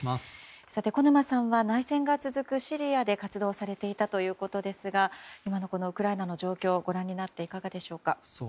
小沼さんは内戦が続くシリアで活動されていたということですが今のウクライナの状況をご覧になっていかがでしょうか。